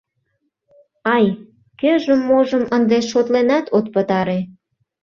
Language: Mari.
— Ай, кӧжым-можым ынде шотленат от пытаре!